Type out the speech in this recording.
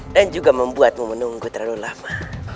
dan juga membuatmu menunggu terlalu lama